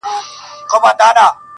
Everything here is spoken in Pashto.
چا ته به سپکې سپورې نه وايي